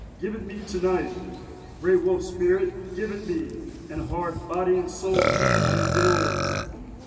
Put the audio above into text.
give it me to night! Great Wolf Spirit! give it me, and Heart, body, and soul, I am yours."